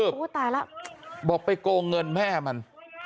บอกไปโกงเงินแม่มัน